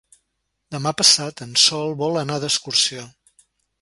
Demà passat en Sol vol anar d'excursió.